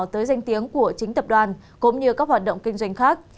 tới danh tiếng của chính tập đoàn cũng như các hoạt động kinh doanh khác